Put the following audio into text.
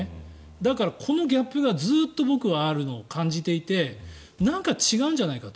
だからこのギャップがずっとあるのを僕は感じていてなんか違うんじゃないかと。